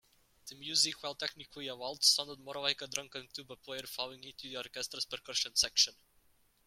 The music, while technically a waltz, sounded more like a drunken tuba player falling into the orchestra's percussion section.